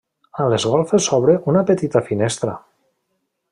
A les golfes s'obre una petita finestra.